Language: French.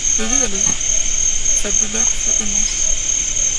Sa douleur fut immense.